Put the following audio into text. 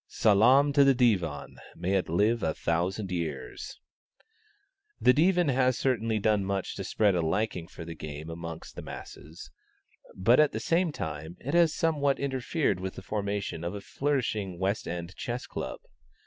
[Sal[=a]m to the Divan! May it live a thousand years!] The Divan has certainly done much to spread a liking for the game amongst the masses; but, at the same time, it has somewhat interfered with the formation of a flourishing West End Chess Club.